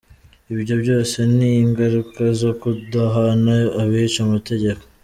Ibyo byose ni ingaruka zo kudahana abica amategeko.